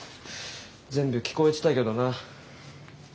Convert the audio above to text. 全部聞こえてたけどな。